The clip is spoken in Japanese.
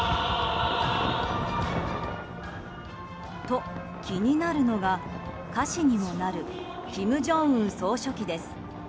と、気になるのが歌詞にもなる金正恩総書記です。